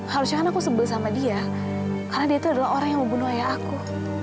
harusnya kan aku sebel sama dia karena dia itu adalah orang yang membunuh ayah aku